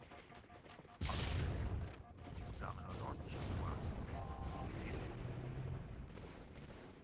Altre tribù usavano rocce bluastre, nere o verdi.